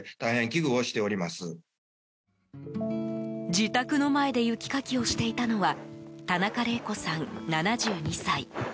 自宅の前で雪かきをしていたのは田中麗子さん、７２歳。